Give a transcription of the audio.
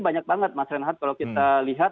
banyak banget mas renhardt kalau kita lihat